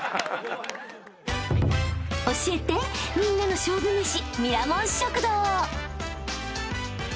［教えてみんなの勝負めし］